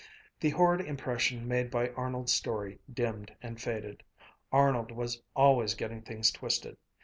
The horrid impression made by Arnold's story dimmed and faded. Arnold was always getting things twisted.